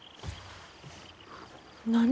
何？